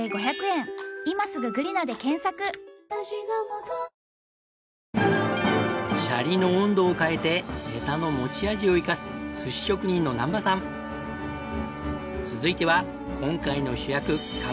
「ほんだし」でシャリの温度を変えてネタの持ち味を生かす寿司職人の難波さん。続いては今回の主役かんぴょうです。